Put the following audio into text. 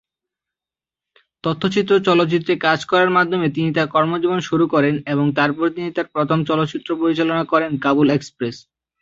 তথ্যচিত্র চলচ্চিত্রে কাজ করার মাধ্যমে তিনি তার কর্মজীবন শুরু করেন এবং তারপর তিনি তার প্রথম চলচ্চিত্র পরিচালনা করেন "কাবুল এক্সপ্রেস"।